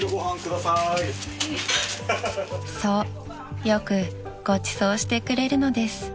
［そうよくごちそうしてくれるのです］